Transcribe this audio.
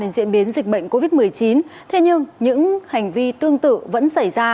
đến diễn biến dịch bệnh covid một mươi chín thế nhưng những hành vi tương tự vẫn xảy ra và mới đây nhất